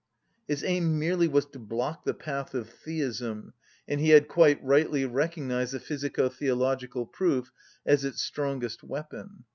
His aim merely was to block the path of theism; and he had quite rightly recognised the physico‐theological proof as its strongest weapon.